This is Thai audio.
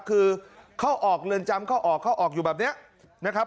คือเข้าออกเรือนจำเข้าออกเข้าออกอยู่แบบนี้นะครับ